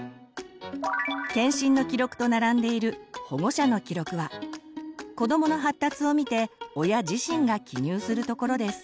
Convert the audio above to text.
健診の記録と並んでいる保護者の記録は子どもの発達を見て親自身が記入するところです。